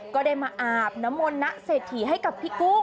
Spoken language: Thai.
ก็ได้มาอาบน้ำมนเศรษฐีให้กับพี่กุ้ง